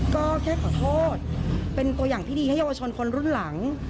ก็แค่ขอโทษเป็นตัวอย่างที่ดีให้เยาวชนคนรุ่นหลัง